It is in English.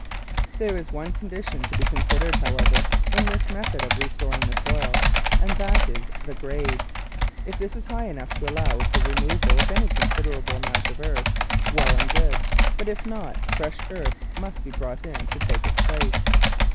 There is one condition to be considered, how ever, in this method of restoring the soil, and that is the grade. If this is high enough to allow of the removal of any considerable amount of earth, well and good, but if not, fresh earth must be brought in to take its place.